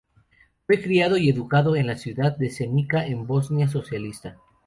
Fue criado y educado en la ciudad de Zenica en Bosnia Socialista.